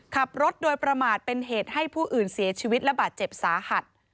ขับรถโดยประมาทเป็นเหตุให้ผู้อื่นเสียชีวิตและบาดเจ็บสาหัส